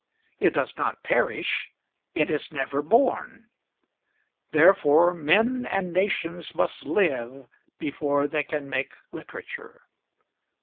It does not perish; it is never born. Therefore men and nations must live before they can make literature.